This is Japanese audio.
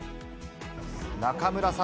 中村さん